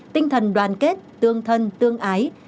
tinh thần đoàn kết tương thân tương ái